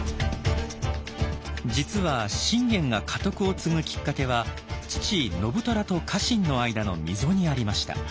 実は信玄が家督を継ぐきっかけは父信虎と家臣の間の溝にありました。